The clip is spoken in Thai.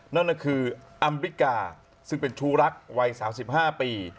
นั่นก็คืออัมริกาซึ่งเป็นชู้รักวัย๓๕ปี